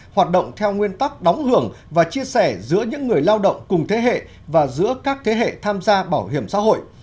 hoạt động theo nguyên tắc đóng hưởng và chia sẻ giữa những người lao động cùng thế hệ và giữa các thế hệ tham gia bảo hiểm xã hội